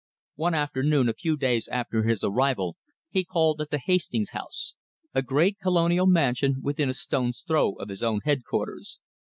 One afternoon a few days after his arrival he called at the Hastings' house, a great Colonial mansion within a stone's throw of his own headquarters.